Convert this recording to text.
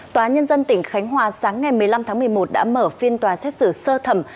tòa nhân dân tỉnh khánh hòa sáng ngày một mươi năm tháng một mươi một đã mở phiên tòa xét xử sơ thẩm